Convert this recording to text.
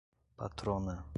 patrona